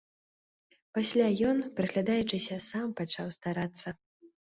Пасля ён, прыглядаючыся, сам пачаў старацца.